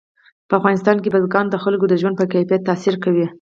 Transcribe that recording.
په افغانستان کې بزګان د خلکو د ژوند په کیفیت تاثیر کوي.